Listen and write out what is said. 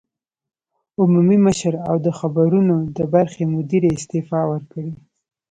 عمومي مشر او د خبرونو د برخې مدیرې استعفی ورکړې